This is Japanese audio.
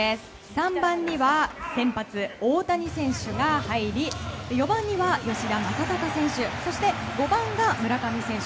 ３番には先発、大谷選手が入り４番には吉田正尚選手そして５番が村上選手。